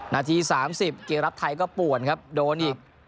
นาที๓๐เกมรับไทยก็ป่วนครับโดนอีก